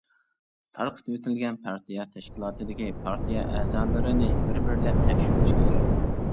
تارقىتىۋېتىلگەن پارتىيە تەشكىلاتىدىكى پارتىيە ئەزالىرىنى بىر-بىرلەپ تەكشۈرۈش كېرەك.